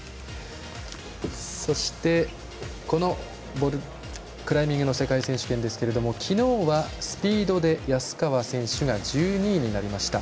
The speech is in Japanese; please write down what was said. そして、このクライミングの世界選手権ですけれども昨日はスピードで安川選手が１２位になりました。